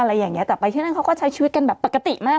อะไรอย่างเงี้แต่ไปที่นั่นเขาก็ใช้ชีวิตกันแบบปกติมาก